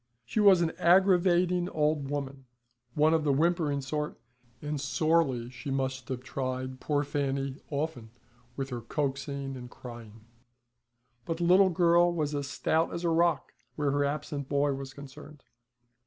She was an aggravating old woman, one of the whimpering sort; and sorely she must have tried poor Fanny often with her coaxing and crying, but the little girl was as stout as a rock where her absent boy was concerned.